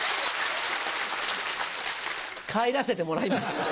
帰らせてもらいます。